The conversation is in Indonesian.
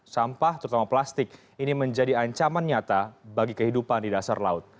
sampah terutama plastik ini menjadi ancaman nyata bagi kehidupan di dasar laut